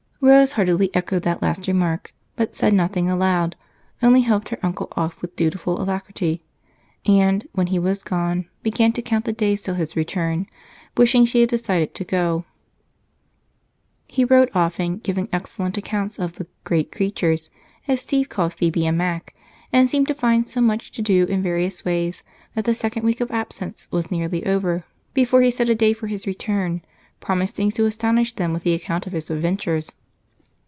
Rose heartily echoed that last remark, but said nothing aloud, only helped her uncle off with dutiful alacrity and, when he was gone, began to count the days till his return, wishing she had decided to go too. He wrote often, giving excellent accounts of the "great creatures," as Steve called Phebe and Mac, and seemed to find so much to do in various ways that the second week of absence was nearly over before he set a day for his return, promising to astonish them with the account of his adventures.